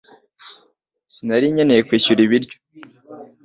Sinari nkeneye kwishyura ibiryo